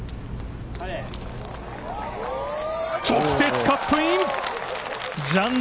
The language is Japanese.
直接カップイン！